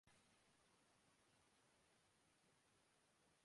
لیکن یہ ایک طویل روایت پر تعمیر ہو رہا ہے